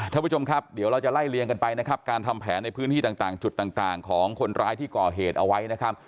ท่านผู้ชมครับเดี๋ยวเราจะไล่เลียงกันไปนะครับการทำแผนในพื้นที่ต่างจุดต่างของคนร้ายที่ก่อเหตุเอาไว้นะครับ